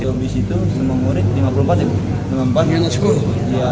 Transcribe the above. di dalam satu bus itu semua murid lima puluh empat ya